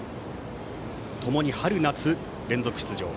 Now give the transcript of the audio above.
ともに春夏連続出場。